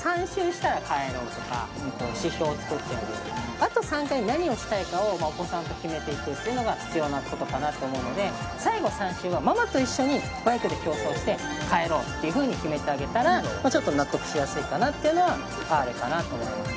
あと３回何をしたいかをお子さんと決めていくっていうのが必要なことかなと思うのでっていうふうに決めてあげたらちょっと納得しやすいかなっていうのはあるかなと思います